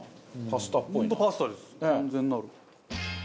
完全なる。